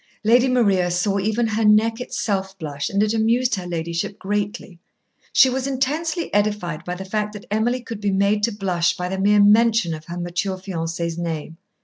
Lady Maria saw even her neck itself blush, and it amused her ladyship greatly. She was intensely edified by the fact that Emily could be made to blush by the mere mention of her mature fiancé's name.